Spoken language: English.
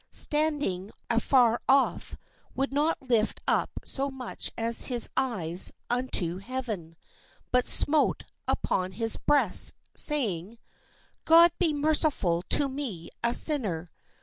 I THE PHARISEE AND THE PUBLICAN ing afar off, would not lift up so much as his eyes un to heaven, but smote upon his breast, saying: "God be merciful to me a sinner."